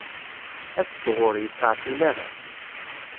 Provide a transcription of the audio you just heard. as-d ɣur-i, ur ttɛeṭṭil ara.